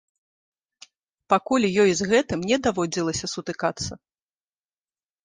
Пакуль ёй з гэтым не даводзілася сутыкацца.